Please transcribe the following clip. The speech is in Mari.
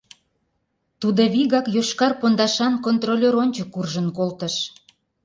Тудо вигак йошкар пондашан контролёр ончык куржын колтыш.